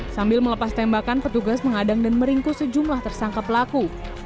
sambil melepas tembakan petugas mengadang dan meringkus sejumlah tersangka pelaku